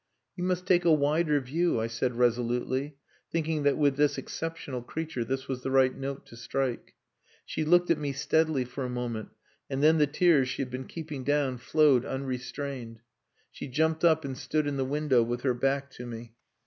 "You must take a wider view," I said resolutely, thinking that with this exceptional creature this was the right note to strike. She looked at me steadily for a moment, and then the tears she had been keeping down flowed unrestrained. She jumped up and stood in the window with her back to me.